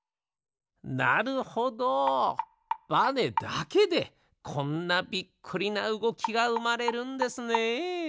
なるほどバネだけでこんなびっくりなうごきがうまれるんですね。